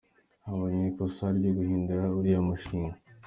Habayeho ikosa ryo guhindura uriya mushinga.